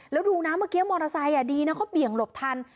แล้วดูนะเมื่อกี้มอเตอร์ไซค์ดีนะเขาเบี่ยงหลบทัน